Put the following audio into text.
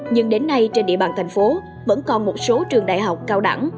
nhưng đến nay trên địa bàn thành phố vẫn còn một số trường đại học cao đẳng